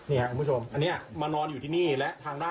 นี่ครับคุณผู้ชมอันนี้มานอนอยู่ที่นี่และทางด้าน